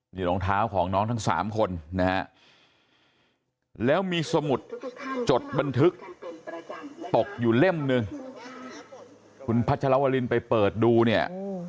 นี่รองเท้าของน้องทั้งสามคนนะฮะแล้วมีสมุดจดบันทึกตกอยู่เล่มหนึ่งคุณพัชรวรินไปเปิดดูเนี่ย